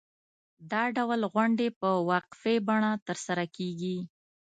دا ډول غونډې په وقفې بڼه ترسره کېږي.